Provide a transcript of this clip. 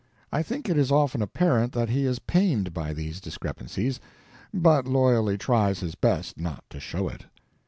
I think it is often apparent that he is pained by these discrepancies, but loyally tries his best not to show it.